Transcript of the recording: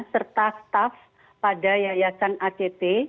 serta staff pada yayasan act